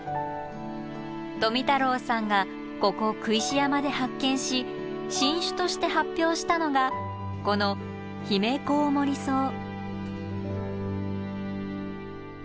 富太郎さんがここ工石山で発見し新種として発表したのがこのヒメコウモリソウ。